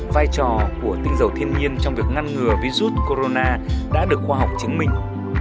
vai trò của tinh dầu thiên nhiên trong việc ngăn ngừa virus corona đã được khoa học chứng minh